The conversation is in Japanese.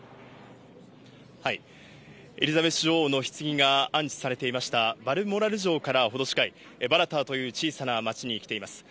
エリザベス女王のひつぎが安置されていました、バルモラル城から程近い、バラターという小さな町に来ています。